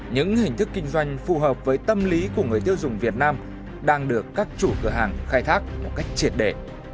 những hình thức kinh doanh phù hợp với tâm lý của người tiêu dùng việt nam đang được các chủ cửa hàng khai thác một cách triệt đề